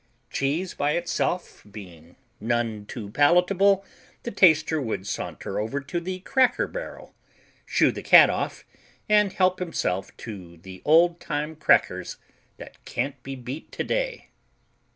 Cheese by itself being none too palatable, the taster would saunter over to the cracker barrel, shoo the cat off and help himself to the old time crackers that can't be beat today.